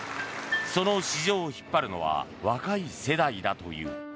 その市場を引っ張るのは若い世代だという。